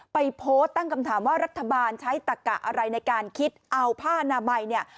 ไปโพสต์ตั้งคำถามว่ารัฐบาลใช้ตักกะอะไรในการคิดเอาผ้านามัยเนี่ย